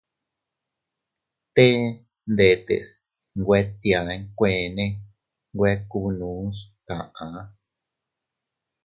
Te ndetes nwe tia nkueene nwe kubnus kaʼa.